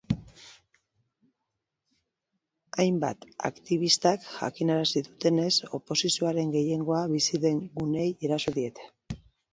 Hainbat aktibistak jakinarazi dutenez, oposizioaren gehiengoa bizi den guneei eraso diete.